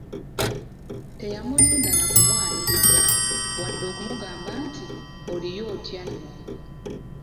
Teyamulinda nakumwaniriza, wadde okumugamba nti, “Oliyo otyanno?"